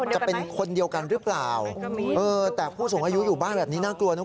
จะเป็นคนเดียวกันหรือเปล่าแต่ผู้สูงอายุอยู่บ้านแบบนี้น่ากลัวนะ